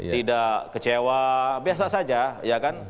tidak kecewa biasa saja ya kan